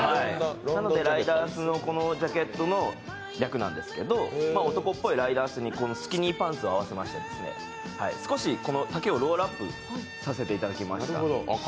ライダースのジャケットの略なんですけど男っぽいライダースにスキニーパンツを合わせまして少しこの丈をロールアップさせていただきました。